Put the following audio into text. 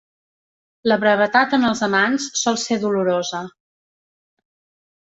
La brevetat en els amants sol ser dolorosa.